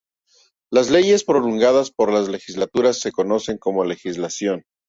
Las leyes promulgadas por las legislaturas se conocen como legislación.